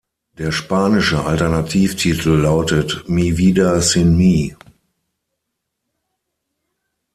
Der spanische Alternativtitel lautet "Mi vida sin mí".